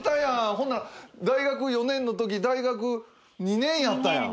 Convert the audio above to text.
ほんなら大学４年のとき大学２年やったやん。